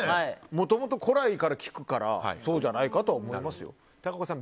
もともと古来から聞くからそうじゃないかとは思いますよ。